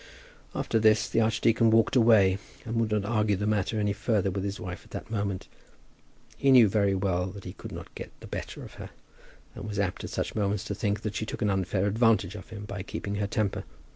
After this the archdeacon walked away, and would not argue the matter any further with his wife at that moment. He knew very well that he could not get the better of her, and was apt at such moments to think that she took an unfair advantage of him by keeping her temper.